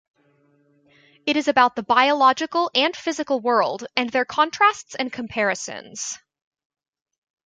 It is about the biological and physical world, and their contrasts and comparisons.